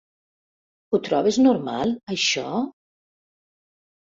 Ho trobes normal, això?